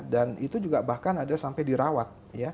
dan itu juga bahkan ada sampai dirawat